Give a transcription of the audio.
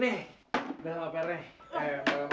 nih belakang embernya